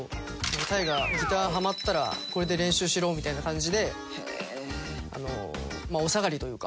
「大我ギターハマったらこれで練習しろ」みたいな感じであのまあお下がりというか。